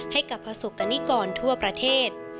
ให้กับประสบกรณิกรทั่วประเทศ